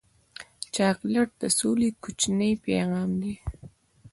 چاکلېټ د سولې کوچنی پیغام دی.